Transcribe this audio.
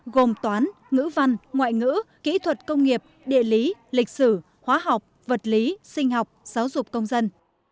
gồm toán ngữ văn ngoại ngữ kỹ thuật công nghiệp địa lý lịch sử hóa học vật lý sinh học giáo dục công dân